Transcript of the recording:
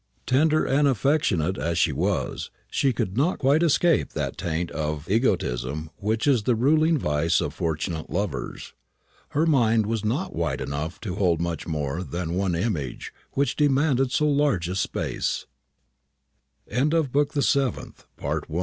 Tender and affectionate as she was, she could not quite escape that taint of egotism which is the ruling vice of fortunate lovers. Her mind was not wide enough to hold much more than one image, which demanded so large a space. CHAPTER II. MRS. SHELDON ACCEPTS HER DESTINY.